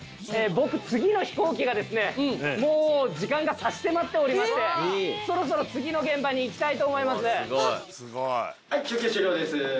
僕次の飛行機がですねもう時間が差し迫っておりましてそろそろ次の現場に行きたいと思います。